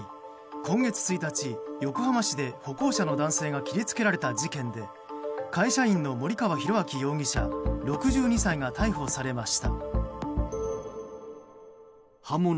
今月１日、横浜市で歩行者の男性が切り付けられた事件で会社員の森川浩昭容疑者、６２歳が逮捕されました。